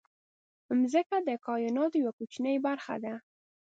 مځکه د کایناتو یوه کوچنۍ برخه ده.